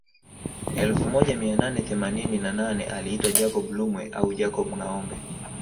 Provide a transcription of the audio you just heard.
Elfu moja mia nane themanini na nane aliitwa Jacob Lumwe au Jacob Ngâombe